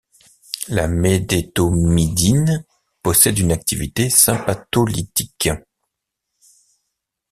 La médétomidine possède une activité sympatholytique.